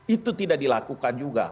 itu tidak dilakukan juga